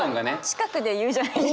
近くで言うじゃないですか。